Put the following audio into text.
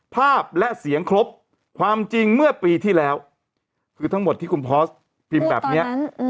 ภาพและเสียงครบความจริงเมื่อปีที่แล้วคือทั้งหมดที่คุณพอสพิมพ์แบบนี้